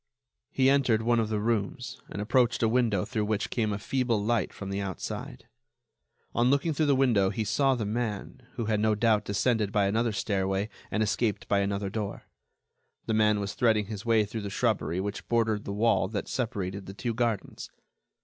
He entered, one of the rooms and approached a window through which came a feeble light from the outside. On looking through the window he saw the man, who had no doubt descended by another stairway and escaped by another door. The man was threading his way through the shrubbery which bordered the wall that separated the two gardens.